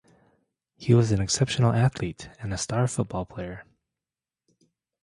He was an exceptional athlete and a star football player.